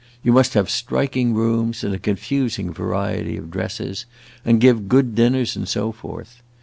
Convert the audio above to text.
You must have striking rooms and a confusing variety of dresses, and give good dinners, and so forth.